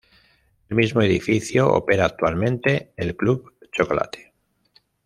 El mismo edificio opera actualmente el Club Chocolate.